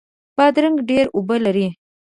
بادرنګ ډیرې اوبه لري.